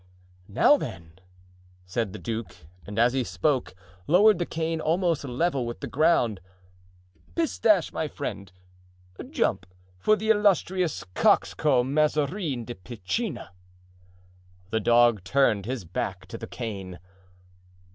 "Now, then," said the duke, and as he spoke, lowered the cane almost level with the ground; "Pistache, my friend, jump for the 'Illustrious Coxcomb, Mazarin de Piscina.'" The dog turned his back to the cane.